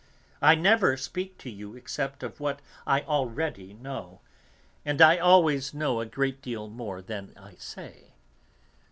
"I never speak to you except of what I already know, and I always know a great deal more than I say.